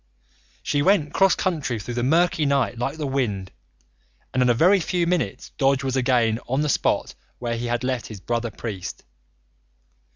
She went cross country through the murky night like the wind, and in a very few minutes Dodge was again on the spot where he had left his brother priest.